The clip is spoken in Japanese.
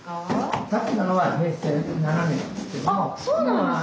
あそうなんですね。